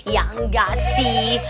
ya enggak sih